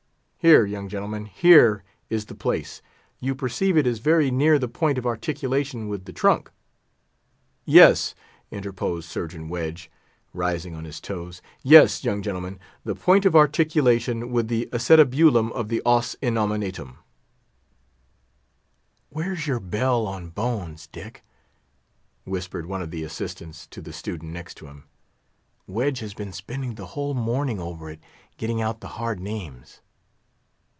Here, young gentlemen, here is the place. You perceive it is very near the point of articulation with the trunk." "Yes," interposed Surgeon Wedge, rising on his toes, "yes, young gentlemen, the point of articulation with the acetabulum of the os innominatum." "Where's your Bell on Bones, Dick?" whispered one of the assistants to the student next him. "Wedge has been spending the whole morning over it, getting out the hard names."